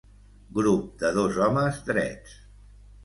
Grup de dos homes drets.